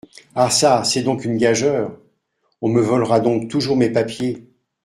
Ah çà ! c’est donc une gageure ? on me volera donc toujours mes papiers !